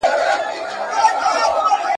د شهید جنازه پرېږدی د قاتل سیوری رانیسی ..